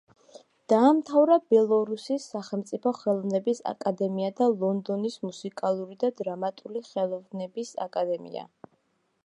დაამთავრა ბელორუსის სახელმწიფო ხელოვნების აკადემია და ლონდონის მუსიკალური და დრამატული ხელოვნების აკადემია.